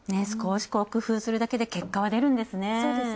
少し工夫するだけで結果は出るんですね。